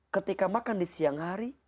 ketika makan di siang hari